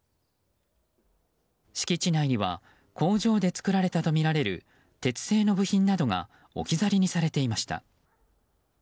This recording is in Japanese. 敷地内では工場で作られたとみられる鉄製の部品などが置き去りにされていました。